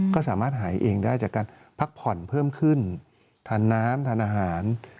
ก็สามารถหายเองได้จากการพักผ่อนเพิ่มขึ้นทานน้ำทานอาหาร